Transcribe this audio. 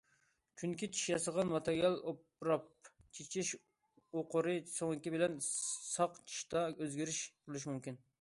چۈنكى چىش ياسىغان ماتېرىيال ئۇپراپ، چىش ئوقۇرى سۆڭىكى بىلەن ساق چىشتا ئۆزگىرىش بولۇشى مۇمكىن.